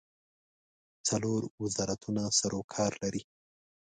څلور وزارتونه سروکار لري.